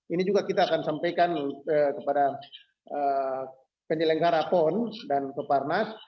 ini juga kita akan sampaikan kepada penyelenggara pon dan peparnas